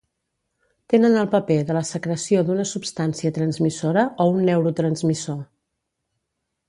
Tenen el paper de la secreció d'una substància transmissora o un neurotransmissor.